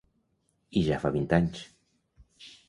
I ja fa vint anys.